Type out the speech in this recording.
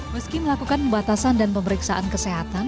meski melakukan pembatasan dan pemeriksaan kesehatan